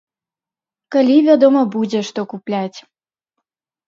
Калі, вядома, будзе, што купляць.